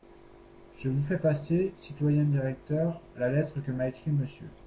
Je vous fais passer, citoyens directeurs, la lettre que m'a écrite M.